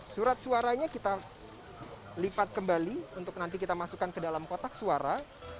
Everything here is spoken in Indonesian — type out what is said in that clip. surat suaranya kita lipat kembali untuk nanti kita masukkan ke dalam kotak suara